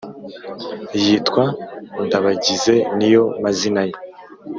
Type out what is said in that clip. yitwa ndabagize niyo mazina ye